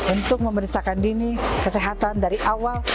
untuk memeriksakan dini kesehatan dari awal